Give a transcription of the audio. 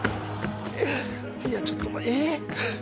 いやちょっとえっ⁉